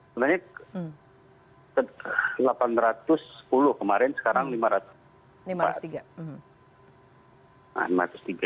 sebenarnya delapan ratus sepuluh kemarin sekarang lima ratus empat